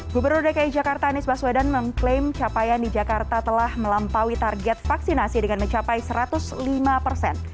gubernur dki jakarta anies baswedan mengklaim capaian di jakarta telah melampaui target vaksinasi dengan mencapai satu ratus lima persen